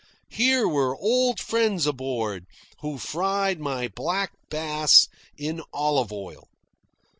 Here were old friends aboard, who fried my black bass in olive oil.